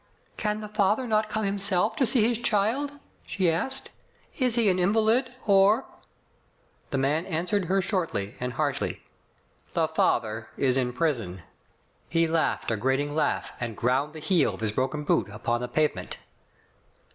"Can the father not come himself to see his child? she asked. "Is he an invalid or ? The man answered her shortly and harshly. *The father is in prison. He laughed a grating laugh, and ground the heel of his broken boot upon the pavement.